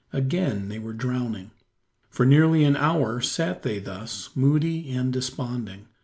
Again were they drowning. For nearly an hour sat they thus, moody and desponding.